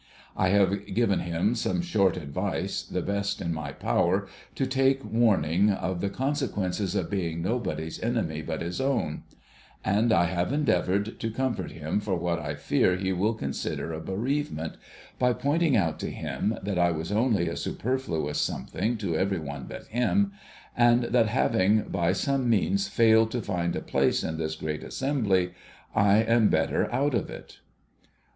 I have given him some short advice, the best in my power, to take warning of the consequences of being nobody's enemy but his own ; and I have endeavoured to comfort him for what I fear he will consider a bereavement, by pointing out to him, that I was only a superfluous something to every one but him ; and that having by some means failed to find a place in this great assembly, I am better out of it.